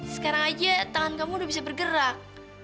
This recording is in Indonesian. sekarang aja tangan kamu udah bisa bergerak